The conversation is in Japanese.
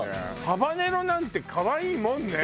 ハバネロなんて可愛いもんね。